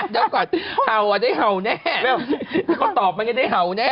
เดี๋ยวก่อนเห่าอ่ะได้เห่าแน่เขาตอบมันก็ได้เห่าแน่